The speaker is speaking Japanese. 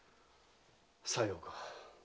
さようか。